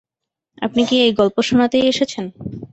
আপনি কি এই গল্প শোনাতেই এসেছেন?